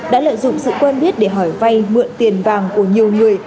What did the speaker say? đã lợi dụng sự quen biết để hỏi vay mượn tiền vàng của nhiều người